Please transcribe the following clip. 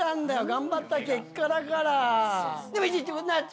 頑張った結果だから。